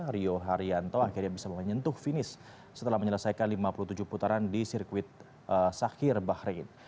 rio haryanto akhirnya bisa menyentuh finish setelah menyelesaikan lima puluh tujuh putaran di sirkuit sakir bahrain